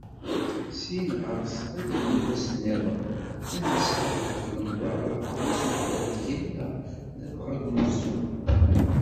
Syin ɣer-s, ad yili wass-nniḍen, ad nemmeslay ɣef lemḍarrat n yisufar n tgella ladɣa deg unebdu.